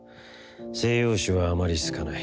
西洋種はあまり好かない。